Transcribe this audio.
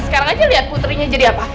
sekarang aja lihat putrinya jadi apa